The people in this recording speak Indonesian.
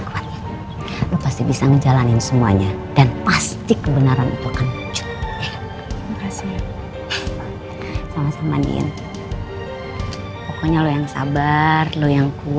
gimana kalau kita langsung ke sekolahannya rena aja